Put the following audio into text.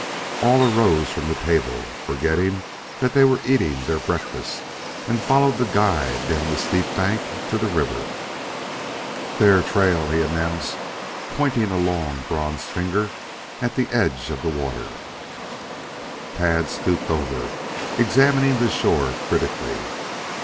All rose from the table, forgetful that they were eating their breakfast, and followed the guide down the steep bank to the river. "There trail," he announced, pointing a long, bronzed finger at the edge of the water. Tad stooped over, examining the shore critically.